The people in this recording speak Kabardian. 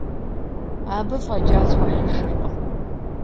Абы фӏэкӏа схуэхьыжыркъым.